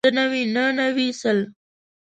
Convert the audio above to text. اووه نوي اتۀ نوي نهه نوي سل